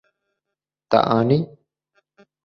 Te anî.